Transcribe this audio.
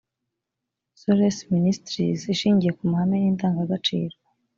solace ministries ishingiye ku mahame n indangagaciro